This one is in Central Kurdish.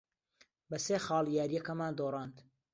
بە سێ خاڵ یارییەکەمان دۆڕاند.